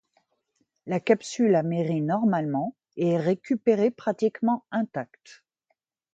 La capsule amerrit normalement et est récupérée pratiquement intacte.